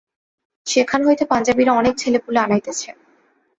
সেখান হইতে পাঞ্জাবীরা অনেক ছেলেপুলে আনাইতেছে।